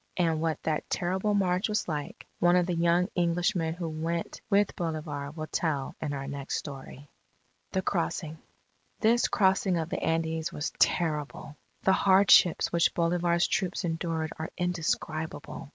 And what that terrible march was like, one of the young Englishmen who went with Bolivar, will tell in our next story. THE CROSSING This crossing of the Andes was terrible. The hardships which Bolivar's troops endured are indescribable.